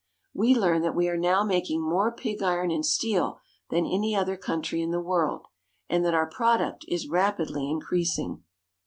We learn that we are now making more pig iron and steel than any other country in the world, and that our product is rapidly increasing.